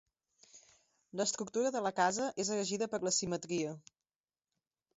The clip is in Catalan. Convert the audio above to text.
L'estructura de la casa és regida per la simetria.